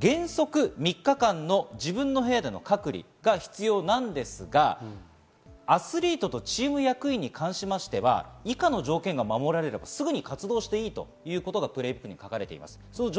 原則３日間の自分の部屋での隔離が必要なんですが、アスリートとチーム役員に関しましては以下の条件が守られれば、すぐに活動していいということがプレイブックに書かれています。